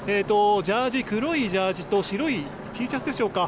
黒いジャージーと白いＴシャツでしょうか。